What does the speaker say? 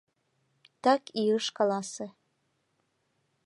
Так и ыш каласе.